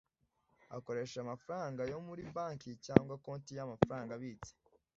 akoresha amafaranga yo muri banki cyangwa konti y’amafaranga abitse